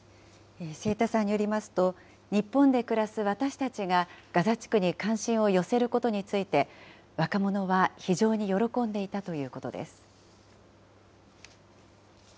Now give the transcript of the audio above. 清田さんによりますと、日本で暮らす私たちが、ガザ地区に関心を寄せることについて、若者は非常に喜んでいたということです。